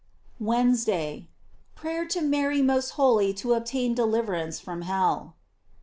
WEDNESDAY. Prayer to Mary most holy to obtain deliverance from hell.